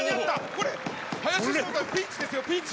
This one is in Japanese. これ、林下選手、ピンチですよ、ピンチ。